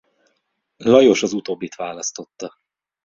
Lajos az utóbbit választotta.